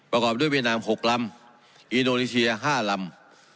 ประกอบด้วยเวียนามหกลำอีโนรีเชียห้าลำ